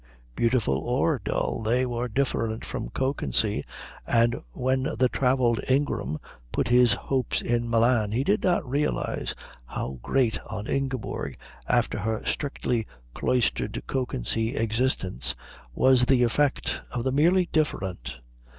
Beautiful or dull they were different from Kökensee; and when the travelled Ingram put his hopes in Milan he did not realise how great on Ingeborg after her strictly cloistered Kökensee existence was the effect of the merely different.